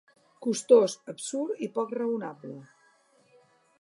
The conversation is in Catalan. Costós, absurd i poc raonable.